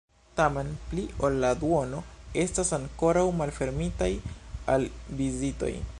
Tamen, pli ol la duono estas ankoraŭ malfermitaj al vizitoj.